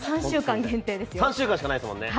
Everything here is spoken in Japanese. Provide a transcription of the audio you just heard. ３週間しかないですもんね